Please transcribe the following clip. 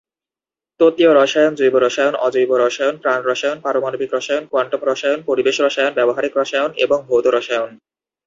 তত্বীয় রসায়ন, জৈব রসায়ন, অজৈব রসায়ন, প্রাণ রসায়ন, পারমাণবিক রসায়ন, কোয়ান্টাম রসায়ন, পরিবেশ রসায়ন, ব্যবহারিক রসায়ন এবং ভৌত রসায়ন।